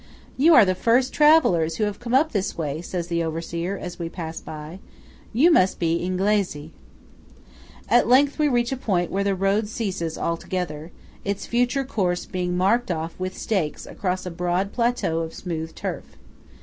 "You are the first travellers who have come up this way," says the overseer, as we pass by. "You must be Inglese!" At length we reach a point where the road ceases altogether; its future course being marked off with stakes across a broad plateau of smooth turf.